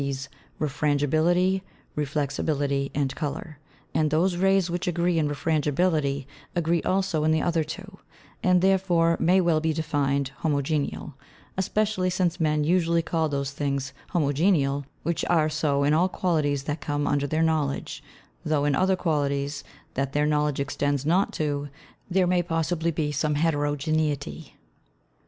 _ Refrangibility, Reflexibility, and Colour; and those Rays which agree in Refrangibility, agree also in the other two, and therefore may well be defined Homogeneal; especially since Men usually call those things Homogeneal, which are so in all Qualities that come under their Knowledge, tho' in other Qualities, that their Knowledge extends not to, there may possibly be some Heterogeneity.